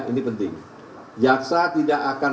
ini penting jaksa tidak akan